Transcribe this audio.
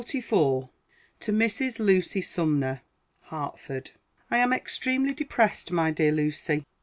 TO MRS. LUCY SUMNER. HARTFORD. I am extremely depressed, my dear Lucy.